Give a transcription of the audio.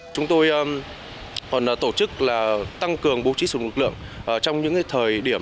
chúng tôi còn tổ chức là tăng cường bố trí sụn lực lượng trong những thời điểm